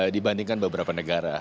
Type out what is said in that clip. dibandingkan beberapa negara